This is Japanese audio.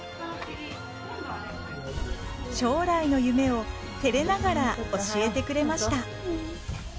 将来の夢を照れながら教えてくれました。